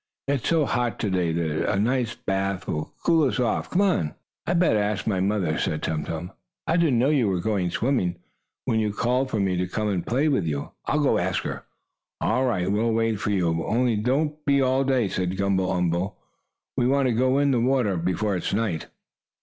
"It's so hot to day, that a nice bath will cool us off. Come on." "I'd better ask my mother," said Tum Tum. "I didn't know you were going swimming, when you called for me to come and play with you. I'll go ask her." "All right, we'll wait for you. Only don't be all day," said Gumble umble. "We want to go in the water before night."